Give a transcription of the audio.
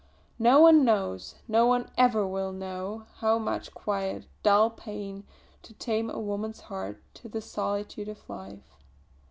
No one knows, no one ever will know, how much quiet, dull pain goes to tame a woman's heart to the solitude of life.